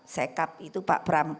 sekap itu pak pram